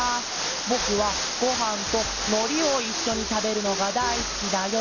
ぼくはごはんとのりをいっしょにたべるのがだいすきだよ」。